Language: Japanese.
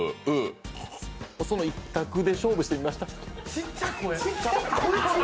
その一択で勝負してみました。